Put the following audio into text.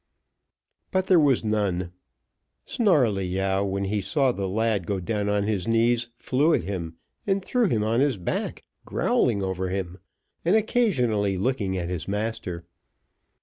But there was none. Snarleyyow, when he saw the lad go down on his knees, flew at him, and threw him on his back, growling over him, and occasionally looking at his master.